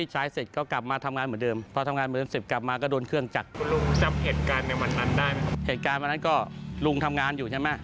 เหตุการณ์วันนั้นก็ลุงทำงานอยู่ใช่ไหม